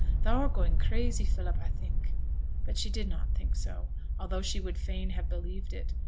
Thou're going crazy, Philip, I think;' but she did not think so, although she would fain have believed it.